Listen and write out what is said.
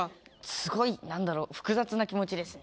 すごいなんだろう複雑な気持ちですね